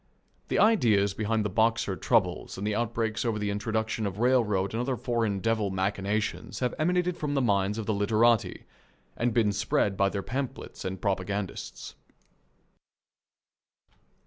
The ideas behind the Boxer troubles and the outbreaks over the introduction of railroad and other foreign devil machinations have emanated from the minds of the literati, and been spread by their pamphlets and propagandists.